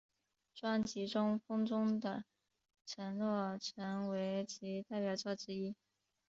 专辑中风中的承诺成为其代表作之一。